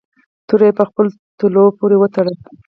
توره یې په خپلو تلو پورې و تړله.